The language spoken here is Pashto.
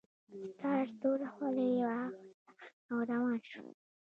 ستار توره خولۍ واغوسته او روان شو